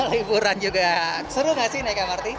liburan juga seru gak sih naik mrt